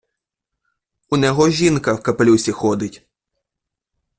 Унего жінка в капелюсі ходить.